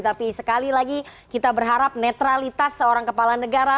tapi sekali lagi kita berharap netralitas seorang kepala negara